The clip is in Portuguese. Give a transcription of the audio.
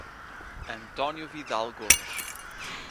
Antônio Vidal Gomes